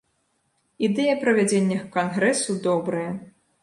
Ідэя правядзення кангрэсу добрая.